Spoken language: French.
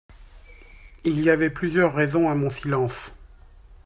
Il y avait plusieurs raisons a mon silence.